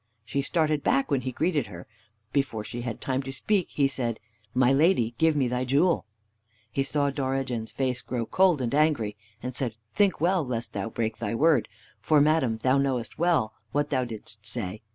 She started back when he greeted her. Before she had time to speak he said, "My lady, give me thy jewel." He saw Dorigen's face grow cold and angry, and said, "Think well lest thou break thy word, for, madam, thou knowest well what thou didst say.